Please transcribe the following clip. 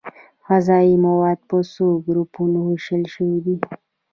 غذايي مواد په څو ګروپونو ویشل شوي دي